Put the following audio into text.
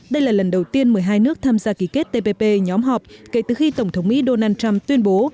đây là lần đầu tiên một mươi hai nước tham gia ký kết tpp nhóm họp kể từ khi tổng thống mỹ donald trump tuyên bố